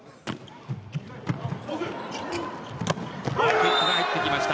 クイックが入ってきました。